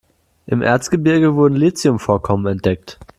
Im Erzgebirge wurden Lithium-Vorkommen entdeckt.